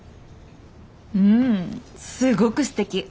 うんすごくすてき。